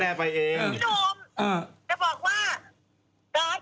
จะไม่ไม่แต่งงาน